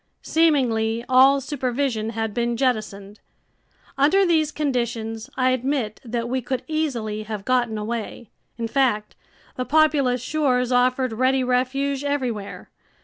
Seemingly, all supervision had been jettisoned. Under these conditions I admit that we could easily have gotten away. In fact, the populous shores offered ready refuge everywhere.